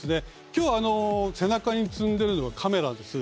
今日背中に積んでるのはカメラです。